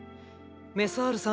メサールさん